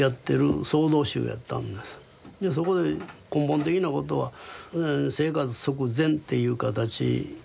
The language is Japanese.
でそこで根本的なことは生活即禅っていう形。